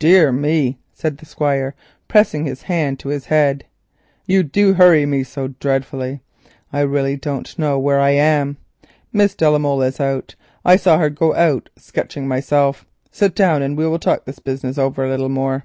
"Dear me," said the Squire, pressing his hand to his head, "you do hurry me so dreadfully—I really don't know where I am. Miss de la Molle is out; I saw her go out sketching myself. Sit down and we will talk this business over a little more."